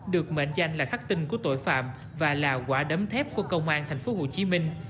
được mệnh danh là khắc tinh của tội phạm và là quả đấm thép của công an thành phố hồ chí minh